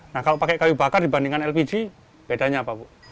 nah kalau pakai kayu bakar dibandingkan lpg bedanya apa bu